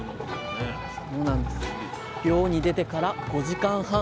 漁に出てから５時間半。